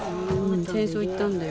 戦争行ったんだよ